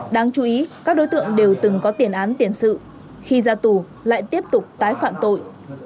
đáng chú ý các đối tượng đều từng có tiền án tiền sự khi ra tù lại tiếp tục tái phạm tội